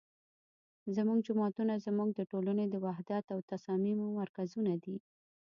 زمونږ جوماتونه زمونږ د ټولنې د وحدت او تصاميمو مرکزونه دي